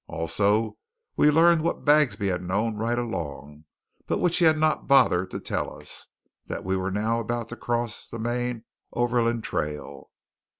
Also we learned what Bagsby had known right along, but which he had not bothered to tell us; that we were now about to cross the main Overland Trail.